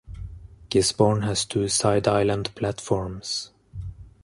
Gisborne has two side island platforms.